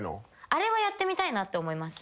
あれはやってみたいなって思います。